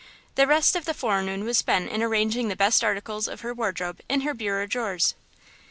The rest of the forenoon was spent in arranging the best articles of her wardrobe in her bureau drawers.